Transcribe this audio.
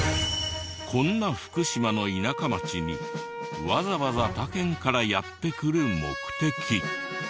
こんな福島の田舎町にわざわざ他県からやって来る目的。